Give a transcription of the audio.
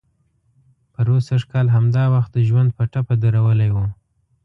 پروسږ کال همدا وخت ژوند په ټپه درولی و.